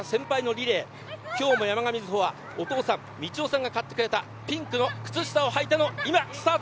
今日も山賀は、お父さんが買ってくれた、ピンクの靴下をはいてのスタート。